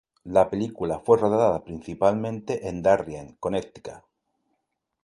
La película fue rodada principalmente en Darien, Connecticut.